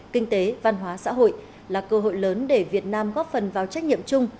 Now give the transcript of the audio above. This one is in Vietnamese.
kinh tế văn hóa xã hội là cơ hội lớn để việt nam góp phần vào trách nhiệm chung